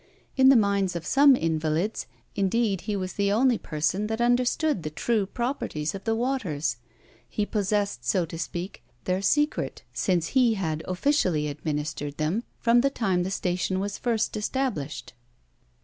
In the minds of some invalids, indeed, he was the only person that understood the true properties of the waters; he possessed, so to speak, their secret, since he had officially administered them from the time the station was first established.